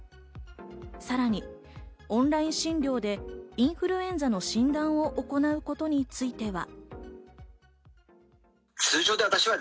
さらにオンライン診療でインフルエンザの診断を行うことについては。